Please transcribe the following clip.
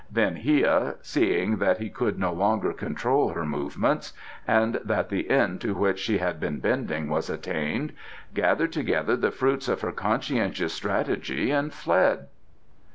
Then Hia, seeing that he could no longer control her movements, and that the end to which she had been bending was attained, gathered together the fruits of her conscientious strategy and fled.